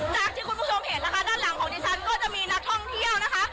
จากที่คุณผู้ชมเห็นนะคะด้านหลังของดิฉันก็จะมีนักท่องเที่ยวนะคะ